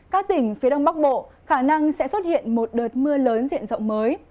các tỉnh phía đông bắc bộ khả năng sẽ xuất hiện một đợt mưa lớn diện rộng mới